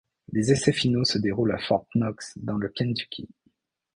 Les essais finaux se déroulent à Fort Knox dans le Kentucky.